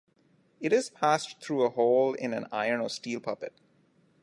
It is passed through a hole in an iron or steel puppet.